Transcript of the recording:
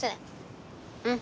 うん！